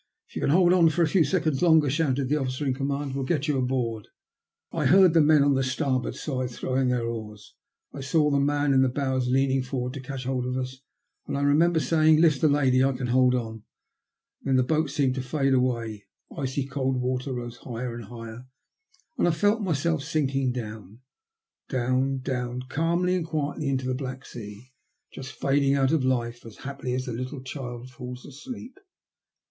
"If you can hold on for a few seconds longer," shouted the oflScer in command, ''we'll get you aboard." I heard the men on the starboard side throw in their oars. I saw the man in the bows lean forward to catch hold of us, and I remember saying, '' Lift the lady; I can hold on," and then the boat seemed to fade away, the icy cold water rose higher and higher, and I felt myself sinking down, down, down, calmly and quietly into the black sea, just fading out of life as happily as a little child falls asleep.